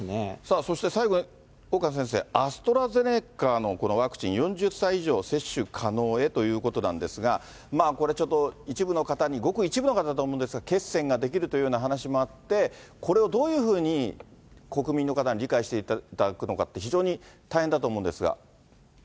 そして、最後に岡先生、アストラゼネカのこのワクチン、４０歳以上、接種可能へということなんですが、これちょっと、一部の方に、ごく一部の方だと思うんですが、血栓が出来るというような話もあって、これをどういうふうに国民の方に理解していただくのかって、非常に大変だと思うんですが？